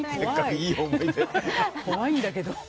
怖いんだけど。